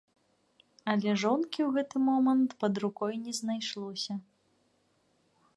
Але жонкі ў гэты момант пад рукой не знайшлося.